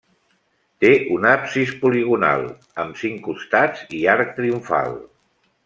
Té un absis poligonal, amb cinc costats i arc triomfal.